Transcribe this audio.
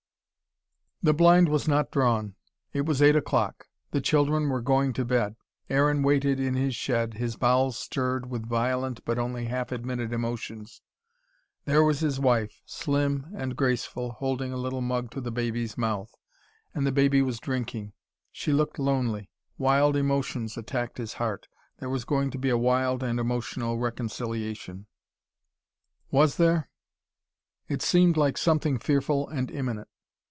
The blind was not drawn. It was eight o'clock. The children were going to bed. Aaron waited in his shed, his bowels stirred with violent but only half admitted emotions. There was his wife, slim and graceful, holding a little mug to the baby's mouth. And the baby was drinking. She looked lonely. Wild emotions attacked his heart. There was going to be a wild and emotional reconciliation. Was there? It seemed like something fearful and imminent.